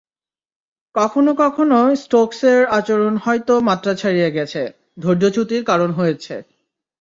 কখনো কখনো স্টোকসের আচরণ হয়তো মাত্রা ছাড়িয়ে গেছে, ধৈর্যচ্যুতির কারণ হয়েছে।